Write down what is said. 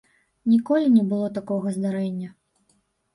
Ніколі не было такога здарэння.